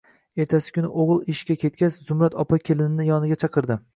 Ertasi kuni o`g`li ishga ketgach, Zumrad opa kelinini yoniga chaqirdi